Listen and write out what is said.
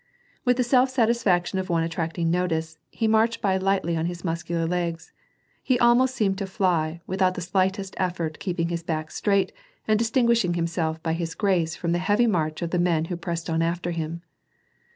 With the self satisfaction of one attracting notice, he marchetl by lightly on his muscular legs ; he almost seemed to fly, with out the slightest effort keeping his back straight, and distin Kuishiug himself by his grace from the heavy march of the men who pressed on after him.